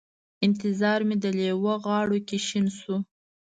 انتظار مې د لېمو غاړو کې شین شو